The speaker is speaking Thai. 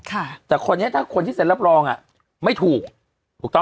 ค่ะแต่คนนี้ถ้าคนที่เซ็นรับรองอ่ะไม่ถูกถูกต้อง